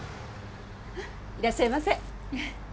いらっしゃいませ。